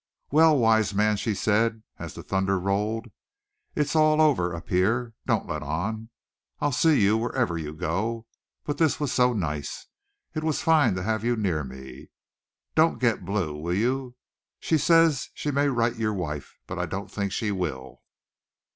"Well, wise man," she said, as the thunder rolled. "It's all over up here. Don't let on. I'll see you wherever you go, but this was so nice. It was fine to have you near me. Don't get blue, will you? She says she may write your wife, but I don't think she will.